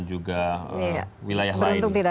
jadi yang lain pun kita